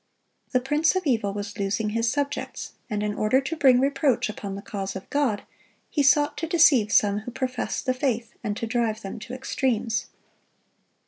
The prince of evil was losing his subjects; and in order to bring reproach upon the cause of God, he sought to deceive some who professed the faith, and to drive them to extremes.